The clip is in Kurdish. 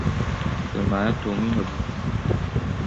Sermaya Tomî hebû.